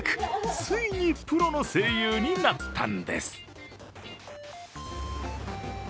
ついにプロの声優になったんです。